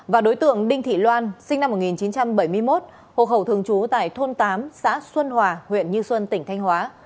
và đối tượng đinh thị loan sinh năm một nghìn chín trăm bảy mươi một hộ khẩu thường trú tại thôn tám xã xuân hòa huyện như xuân tỉnh thanh hóa